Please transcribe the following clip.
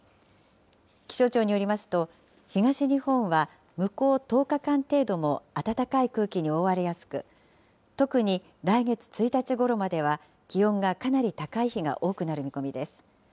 気象庁によりますと、東日本は向こう１０日間程度も暖かい空気に覆われやすく、特に来月１日ごろまでは気温がかなり高い日が多くなる見込みです。